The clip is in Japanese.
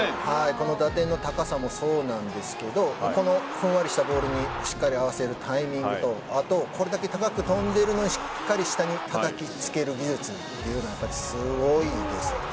この打点の高さもそうなんですがふんわりしたボールにしっかり合わせるタイミングとこれだけ高く飛んでいるのにしっかり下にたたきつける技術というのはすごいですよね。